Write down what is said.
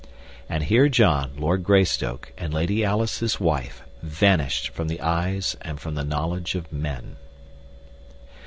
And here John, Lord Greystoke, and Lady Alice, his wife, vanished from the eyes and from the knowledge of men.